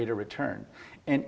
dari uang kaya